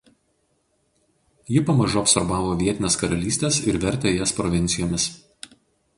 Ji pamažu absorbavo vietines karalystes ir vertė jas provincijomis.